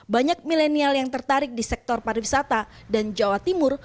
banyak milenial yang tertarik di sektor pariwisata dan jawa timur